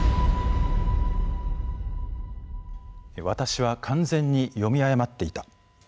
私は完全に読み誤っていた。